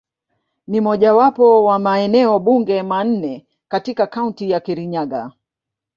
Ni mojawapo wa maeneo bunge manne katika Kaunti ya Kirinyaga.